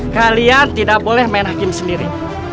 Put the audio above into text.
kalian tidak boleh main hakim sendiri